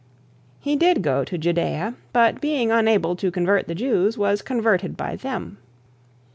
He did go to Judea, but being unable to convert the Jews, was converted by them.